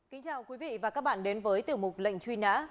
kính chào quý vị và các bạn đến với tiểu mục lệnh truy nã